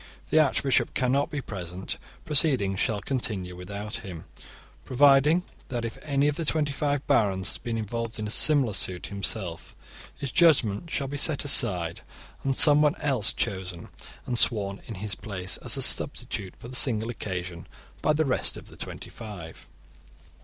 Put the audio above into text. If the archbishop cannot be present, proceedings shall continue without him, provided that if any of the twenty five barons has been involved in a similar suit himself, his judgement shall be set aside, and someone else chosen and sworn in his place, as a substitute for the single occasion, by the rest of the twenty five.